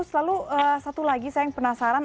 selalu satu lagi saya yang penasaran